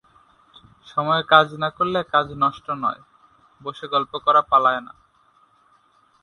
সময়ে কাজ না করলে কাজ নষ্ট নয়, বসে গল্প করা পালায় না।